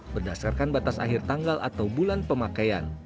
berdasarkan batas akhir tanggal atau bulan pemakaian